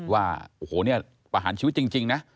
ว่าโอ้โหเนี่ยประหารชีวิตจริงนะ